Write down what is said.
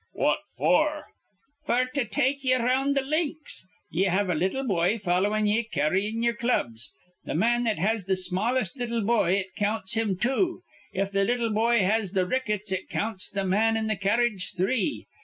"What for?" "F'r to take ye 'round th' links. Ye have a little boy followin' ye, carryin' ye'er clubs. Th' man that has th' smallest little boy it counts him two. If th' little boy has th' rickets, it counts th' man in th' carredge three.